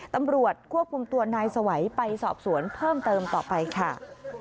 ตำรวจควบคุมตัวนายสวัยไปสอบสวนเพิ่มเติมต่อไปค่ะ